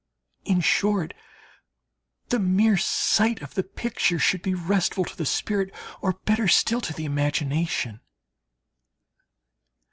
In short, the mere sight of the picture should be restful to the spirit, or better still, to the imagination.